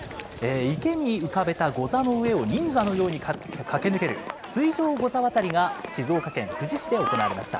池に浮かべたゴザの上を忍者のように駆け抜ける、水上ゴザ渡りが静岡県富士市で行われました。